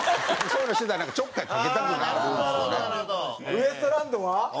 ウエストランドは？